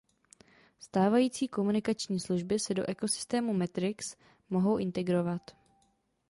Stávající komunikační služby se do ekosystému Matrix mohou integrovat.